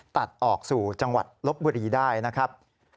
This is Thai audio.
ตัดออกสู่จังหวัดลบบุรีได้นะครับ